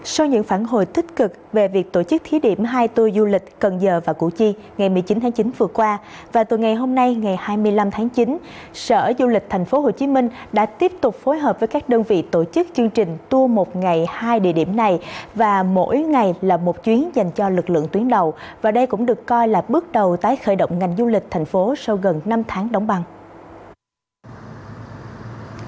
sau những phản hồi thích cực về việc tổ chức thí điểm hai tour du lịch cần giờ và củ chi ngày một mươi chín tháng chín vừa qua và từ ngày hôm nay ngày hai mươi năm tháng chín sở du lịch thành phố hồ chí minh đã tiếp tục phối hợp với các đơn vị tổ chức chương trình tour một ngày hai địa điểm này và mỗi ngày là một chuyến dành cho lực lượng tuyến đầu và đây cũng được coi là một chuyến dành cho lực lượng tuyến đầu và đây cũng được coi là một chuyến dành cho lực lượng tuyến đầu